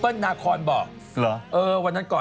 เปิ้ลนาคอร์บอก